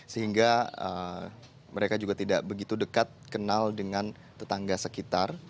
sehingga mereka juga tidak begitu dekat kenal dengan tetangga sekitar